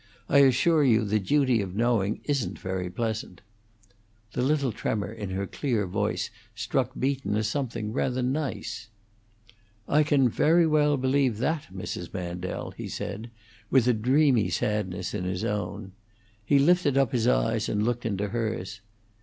I assure you the duty of knowing isn't very pleasant." The little tremor in her clear voice struck Beaton as something rather nice. "I can very well believe that, Mrs. Mandel," he said, with a dreamy sadness in his own. He lifted his eyes and looked into hers.